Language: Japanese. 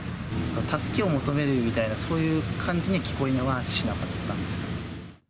助けを求めるみたいな、そういう感じには聞こえはしなかったんですけど。